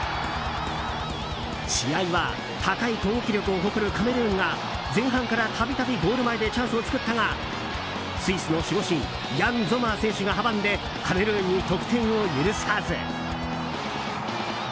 試合は高い攻撃力を誇るカメルーンが前半から度々ゴール前でチャンスを作ったがスイスの守護神ヤン・ゾマー選手が阻んでカメルーンに得点を許さず。